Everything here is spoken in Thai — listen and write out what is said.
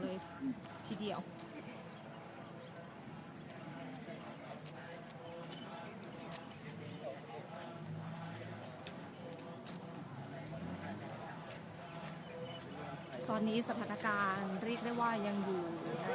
มีผู้ที่ได้รับบาดเจ็บและถูกนำตัวส่งโรงพยาบาลเป็นผู้หญิงวัยกลางคน